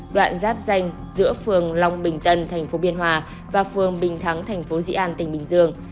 đoạn giáp danh giữa phường long bình tân thành phố biên hòa và phường bình thắng thành phố dị an tỉnh bình dương